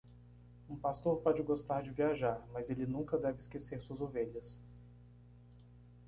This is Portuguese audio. Um pastor pode gostar de viajar?, mas ele nunca deve esquecer suas ovelhas.